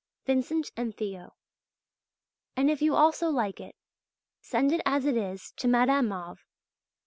Vincent and Theo." And if you also like it, send it as it is to Madame Mauve.